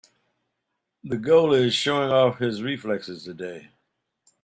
The goalie is showing off his reflexes today.